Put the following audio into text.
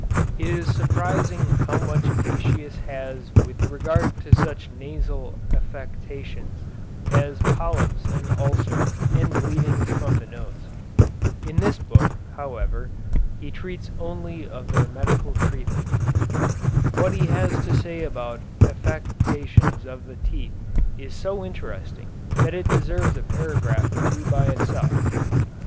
It is surprising how much Aëtius has with regard to such nasal affections as polyps and ulcers and bleedings from the nose. In this book, however, he treats only of their medicinal treatment. What he has to say about affections of the teeth is so interesting that it deserves a paragraph or two by itself.